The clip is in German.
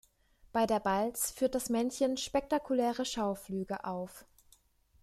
Bei der Balz führt das Männchen spektakuläre Schauflüge auf.